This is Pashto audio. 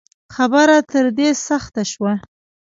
خبره تر دې سخته شوه